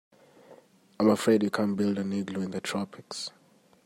I'm afraid you can't build an igloo in the tropics.